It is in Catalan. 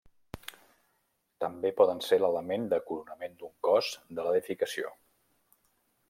També poden ser l'element de coronament d'un cos de l'edificació.